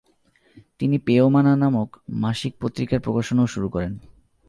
তিনি পেয়মানা নামক মাসিক পত্রিকার প্রকাশনাও শুরু করেন।